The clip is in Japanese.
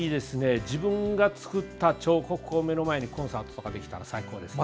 自分が作った彫刻を目の前にコンサートとかできたら最高ですね。